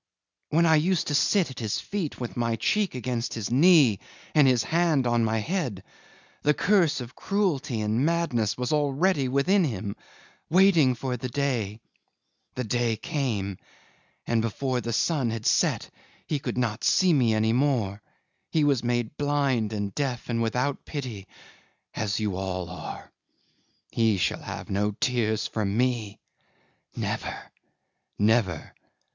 When I used to sit at his feet, with my cheek against his knee and his hand on my head, the curse of cruelty and madness was already within him, waiting for the day. The day came! ... and before the sun had set he could not see me any more he was made blind and deaf and without pity, as you all are. He shall have no tears from me. Never, never.